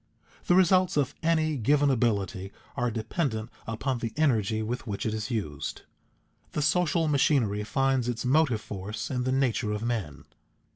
_ The results of any given ability are dependent upon the energy with which it is used. The social machinery finds its motive force in the nature of men.